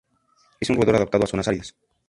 Es un roedor adaptado a zonas áridas.